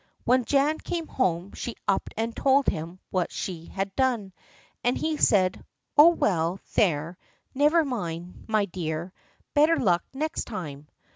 When Jan came home she up and told him what she had done, and he said: "Oh, well, there, never mind, my dear; better luck next time."